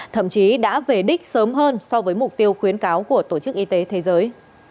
thậm chí đã về đích sớm hơn so với mục tiêu khuyến cáo của tổ chức y tế thế giới